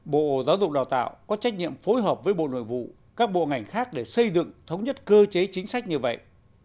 bộ giáo dục đào tạo có trách nhiệm phối hợp với bộ nội vụ các bộ ngành khác để xây dựng thống nhất cơ chế chính sách như vậy